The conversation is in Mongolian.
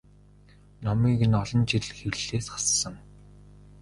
Номыг нь олон жил хэвлэлээс хассан.